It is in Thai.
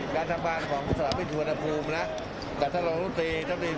การทำบ้านของสร้างบินธุรกภูมินะจัดสร้างฤทธิศาสตร์ศูกร์